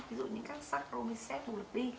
ví dụ như các sacromycet bù lực đi